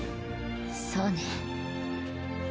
そうね。